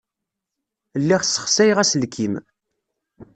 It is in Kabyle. Lliɣ ssexsayeɣ aselkim.